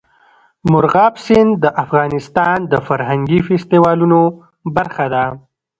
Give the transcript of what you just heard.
مورغاب سیند د افغانستان د فرهنګي فستیوالونو برخه ده.